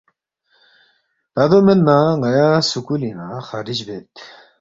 تا دو مید نہ ن٘یا سکُولِنگ نہ خارج بید